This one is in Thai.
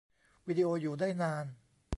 วีดิโออยู่ได้นาน